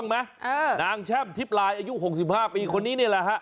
นางแช่มทิพลายอายุ๖๕ปีคนนี้นี่แหละฮะ